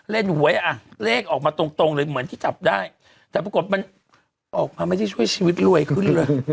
และอย่างนี้มารู้สึกแบบเอ๊ะหิลุ้น